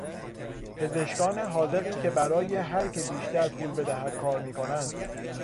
پزشکان حاذقی که برای هرکه بیشتر پول بدهد کار میکنند